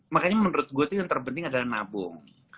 makanya menurut gue itu yang terpenting adalah nabung